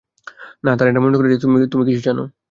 না, তারা এটা মনে করে যে, তুমি কিছু জানো।